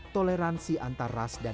toleransi antara rakyat dan pemerintah